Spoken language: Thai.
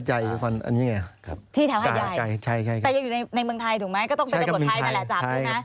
แต่อยู่ในเมืองไทยถูกไหมก็ต้องเป็นที่ที่จับได้นะ